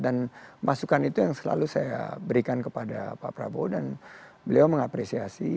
dan masukan itu yang selalu saya berikan kepada pak prabowo dan beliau mengapresiasi